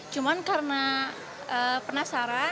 cuman karena penasaran